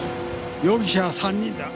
容疑者は３人だ。